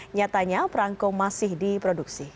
nyatanya perangko masih diproduksi